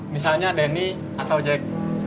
misalnya denny atau jack